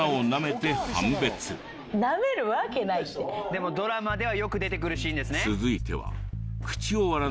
でもドラマではよく出てくるシーンですね。